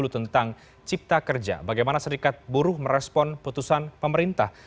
tentang cipta kerja bagaimana serikat buruh merespon putusan pemerintah